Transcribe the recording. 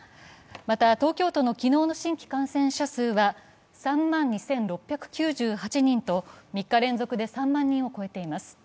また、東京都の昨日の新規感染者数は３万２６９８人と３日連続で３万人を超えています。